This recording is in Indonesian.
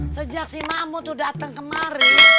sejak si mahmud itu datang kemari